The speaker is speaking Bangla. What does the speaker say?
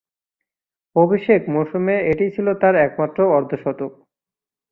অভিষেক মৌসুমে এটিই ছিল তার একমাত্র অর্ধ-শতক।